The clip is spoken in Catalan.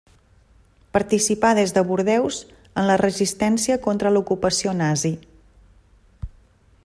Participà des de Bordeus en la resistència contra l'ocupació nazi.